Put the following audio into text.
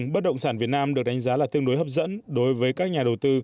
bất động sản việt nam được đánh giá là tương đối hấp dẫn đối với các nhà đầu tư